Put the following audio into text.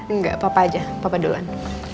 enggak papa aja papa duluan